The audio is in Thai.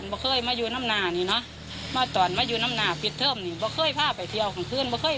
บอกให้ร้านว่ามันเป็นแบบนี้ถึงการปังเหนื่อย